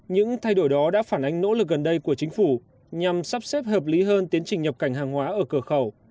những thay đổi đó đã phản ánh nỗ lực gần đây của chính phủ nhằm sắp xếp hợp lý hơn tiến trình nhập cảnh hàng hóa ở cửa khẩu